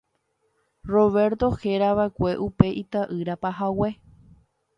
Roberto herava'ekue upe ita'yra pahague.